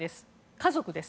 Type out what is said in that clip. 家族です。